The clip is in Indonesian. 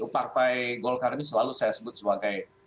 partai golkar ini selalu saya sebut sebagai